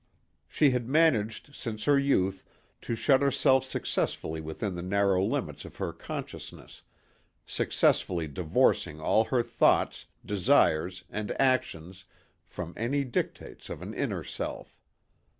She had managed since her youth to shut herself successfully within the narrow limits of her consciousness, successfully divorcing all her thoughts, desires and actions from any dictates of an inner self.